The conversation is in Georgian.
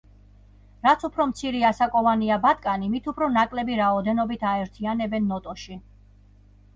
რაც უფრო მცირე ასაკოვანია ბატკანი, მით უფრო ნაკლები რაოდენობით აერთიანებენ ნოტოში.